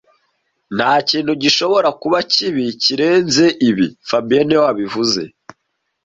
Ntakintu gishobora kuba kibi kirenze ibi fabien niwe wabivuze